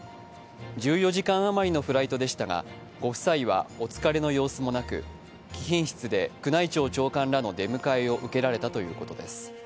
１４時間余りのフライトでしたがご夫妻はお疲れの様子もなく貴賓室で宮内庁長官らの出迎えを受けられたということです。